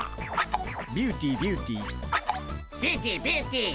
ビューティービューティー。